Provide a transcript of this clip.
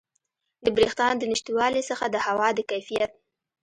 د بریښنا د نشتوالي څخه د هوا د کیفیت